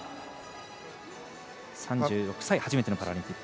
３６歳、初めてのパラリンピック。